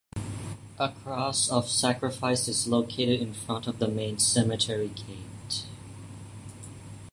A Cross of Sacrifice is located in front of the main cemetery gate.